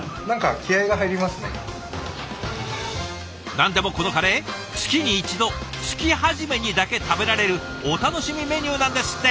何でもこのカレー月に一度月初めにだけ食べられるお楽しみメニューなんですって。